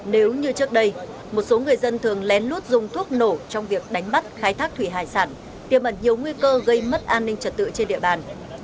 nếu như trước đây một số người dân thường lén lút dùng thuốc nổ trong việc đánh bắt khai thác thủy hải sản tiềm ẩn nhiều nguy cơ gây mất an ninh trật tự trên địa bàn